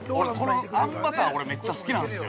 あんバター俺めっちゃ好きなんですよ。